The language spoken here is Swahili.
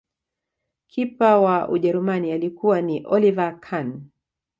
Kipa wa ujerumani alikuwa ni oliver Khan